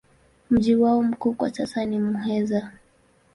Mji wao mkuu kwa sasa ni Muheza.